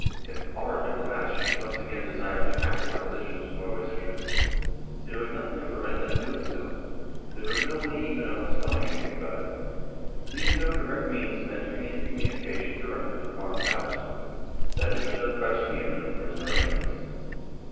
If "our" diplomats should once again desire to act in oppo sition to Norway's interests, there is nothing to prevent them doing so ; there is no way even of us knowing anything about it. We have no direct means of entering into communication directly with foreign powers ; that is reserved by Sweden under present arrangements.